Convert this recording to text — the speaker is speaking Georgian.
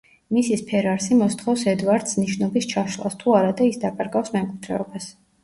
მისის ფერარსი მოსთხოვს ედვარდს ნიშნობის ჩაშლას, თუ არადა ის დაკარგავს მემკვიდრეობას.